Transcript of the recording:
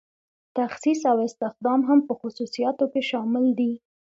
تخصیص او استخدام هم په خصوصیاتو کې شامل دي.